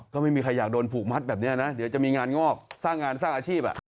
ก็ไม่มีใครอยากโดนผูกมัดแบบนี้นะเดี๋ยวจะมีงานงอกสร้างงานสร้างอาชีพ